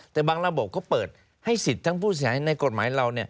แต่บางระบบเขาเปิดให้สิทธิ์ทั้งผู้เสียหายในกฎหมายเรา